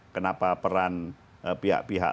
kenapa peran pihak pihak